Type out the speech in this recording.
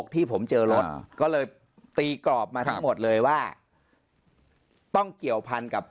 ที่ผมเจอรถก็เลยตีกรอบมาทั้งหมดเลยว่าต้องเกี่ยวพันกับ